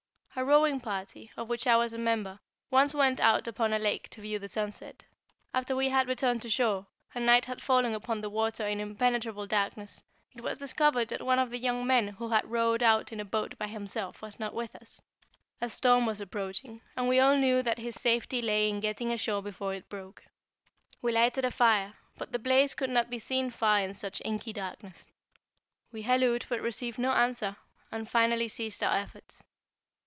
A rowing party, of which I was a member, once went out upon a lake to view the sunset. After we had returned to shore, and night had fallen upon the water in impenetrable darkness, it was discovered that one of the young men who had rowed out in a boat by himself was not with us. A storm was approaching, and we all knew that his safety lay in getting ashore before it broke. We lighted a fire, but the blaze could not be seen far in such inky darkness. We hallooed, but received no answer, and finally ceased our efforts.